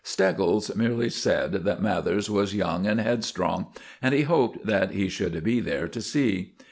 Steggles merely said that Mathers was young and headstrong, and he hoped that he should be there to see.